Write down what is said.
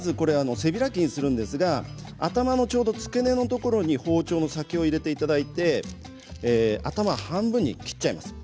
背開きにするんですが頭の付け根のところに包丁の先を入れていただいて頭、半分に切っちゃいます。